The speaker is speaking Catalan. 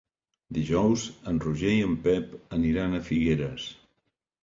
Dijous en Roger i en Pep aniran a Figueres.